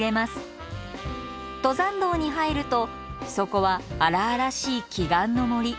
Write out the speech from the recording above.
登山道に入るとそこは荒々しい奇岩の森。